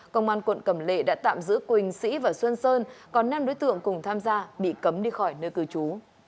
công an quận cầm lệ đã tạm giữ quỳnh sĩ và xuân sơn còn năm đối tượng cùng tham gia bị cấm đi khỏi nơi cư trú